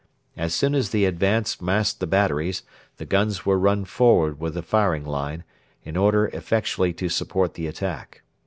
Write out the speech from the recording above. As soon as the advance masked the batteries, the guns were run forward with the firing line, in order effectually to support the attack.